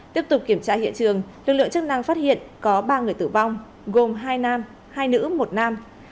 tiếp tục kiểm tra hiện trường lực lượng chức năng phát hiện có ba người tử vong gồm hai nam hai nữ một nam